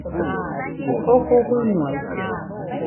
Jofo fɨnoaide